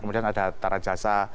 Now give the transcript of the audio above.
kemudian ada hatta rajasa